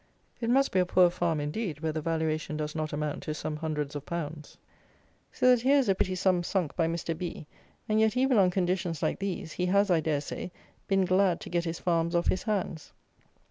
It must be a poor farm, indeed, where the valuation does not amount to some hundreds of pounds. So that here is a pretty sum sunk by Mr. B ; and yet even on conditions like these, he has, I dare say, been glad to get his farms off his hands.